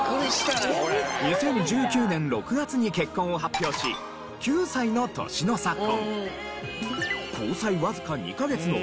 ２０１９年６月に結婚を発表し９歳の年の差婚。